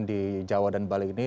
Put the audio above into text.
di jawa dan bali ini